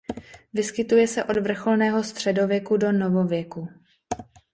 Vyskytuje se od vrcholného středověku do novověku.